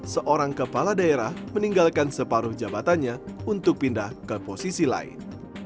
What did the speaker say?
seorang kepala daerah meninggalkan separuh jabatannya untuk pindah ke posisi lain